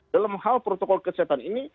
dalam hal protokol kesehatan ini